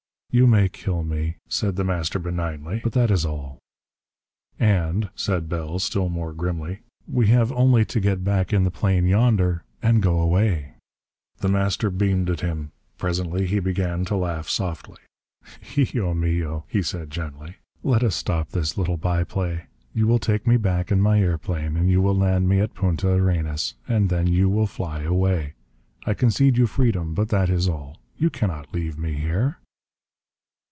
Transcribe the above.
"You may kill me," said The Master benignly, "but that is all." "And," said Bell, still more grimly, "we have only to get back in the plane yonder, and go away...." The Master beamed at him. Presently he began to laugh softly. "Hijo mio," he said gently, "let us stop this little byplay. You will take me back in my airplane, and you will land me at Punta Arenas. And then you will fly away. I concede you freedom, but that is all. You cannot leave me here."